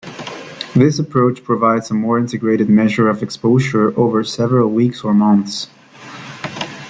This approach provides a more integrated measure of exposure over several weeks or months.